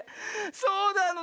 そうなのね。